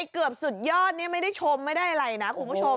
เกือบสุดยอดนี่ไม่ได้ชมไม่ได้อะไรนะคุณผู้ชม